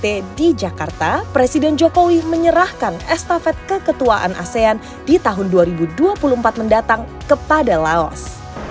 ketika di jakarta presiden jokowi menyerahkan estafet keketuaan asean di tahun dua ribu dua puluh empat mendatang kepada laos